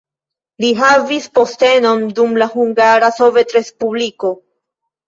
Li havis postenon dum la Hungara Sovetrespubliko.